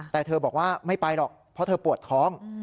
แต่เธอบอกว่าไม่ไปหรอกเพราะเธอปวดท้อง